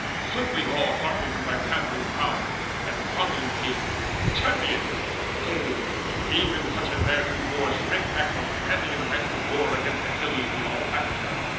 Swiftly all Hearkened her gathering ery, and thronging came, Champions, yea, even such as theretofore Shrank back from standing in the ranks of war Against Achilles the all ravager.